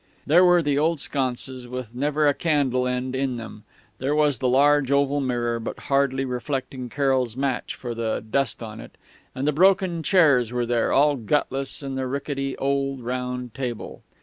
"There were the old sconces, with never a candle end in them. There was the large oval mirror, but hardly reflecting Carroll's match for the dust on it. And the broken chairs were there, all gutless, and the rickety old round table....